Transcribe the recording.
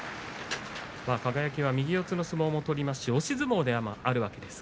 輝は右四つの相撲も取りますし押し相撲です。